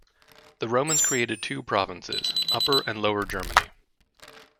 The Romans created two provinces: Upper and Lower Germany.